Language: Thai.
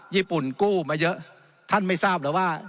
ญี่ปุ่นกู้มาเยอะท่านไม่ทราบเหรอว่า